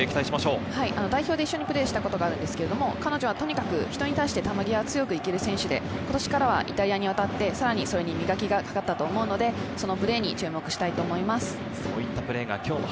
代表で一緒にプレーしたことがあるのですが、球際に強くいける選手で今年からはイタリアに渡って、それに磨きがかかったと思うので、そのプレーに注目したいと思います。